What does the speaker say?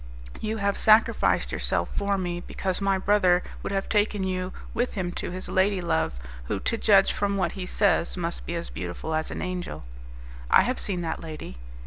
You have sacrificed yourself for me, because my brother would have taken you with him to his lady love, who, to judge from what he says, must be as beautiful as an angel." "I have seen that lady."